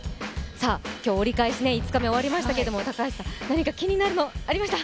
今日折り返し５日目終わりましたけど、何か気になるものありました？